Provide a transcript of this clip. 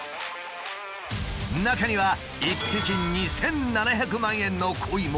中には１匹２，７００万円のコイもいるという。